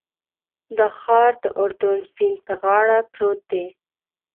دا ښار د اردن سیند په غاړه پروت دی.